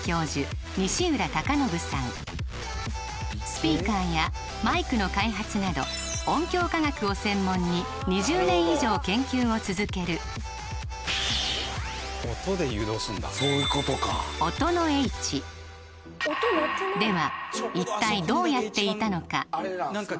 スピーカーやマイクの開発など音響科学を専門に２０年以上研究を続けるでは一体どうやっていたのか？